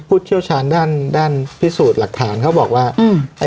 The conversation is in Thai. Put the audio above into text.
เชี่ยวชาญด้านด้านพิสูจน์หลักฐานเขาบอกว่าอืม